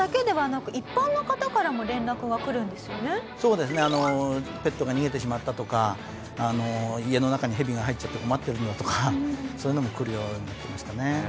そうですねあのペットが逃げてしまったとか家の中にヘビが入っちゃって困ってるんだとかそういうのもくるようになりましたね。